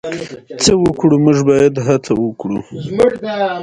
هندوکش د افغانستان د بشري فرهنګ برخه ده.